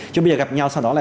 chứ bây giờ gặp nhau sau đó là